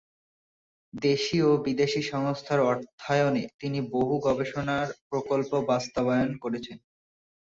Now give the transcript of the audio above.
দেশি ও বিদেশি সংস্থার অর্থায়নে তিনি বহু গবেষণা প্রকল্প বাস্তবায়ন করেছেন।